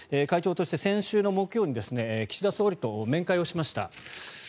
会長として先週木曜日に岸田総理と面会しました。